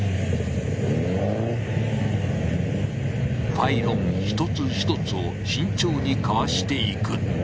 パイロン一つ一つを慎重にかわしていく。